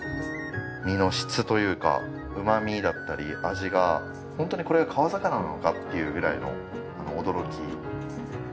身の質というかうまみだったり味がホントにこれは川魚なのかっていうぐらいの驚き。